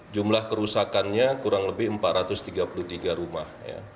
jumlah kerusakannya kurang lebih empat ratus tiga puluh tiga rumah